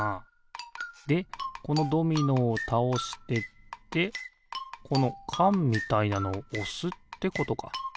でこのドミノをたおしてってこのかんみたいなのをおすってことか。